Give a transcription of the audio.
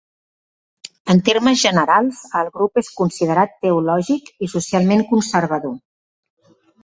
En termes generals, el grup és considerat teològic i socialment conservador.